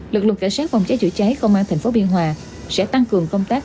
lực lượng cảnh sát phòng cháy chữa cháy công an tp biên hòa sẽ tăng cường công tác